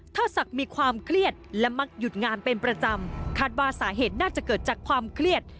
ถ้าศักดิ์มีความเครียดและมักหยุดงานเป็นประจำคาดว่าสาเหตุน่าจะเกิดจากความเครียด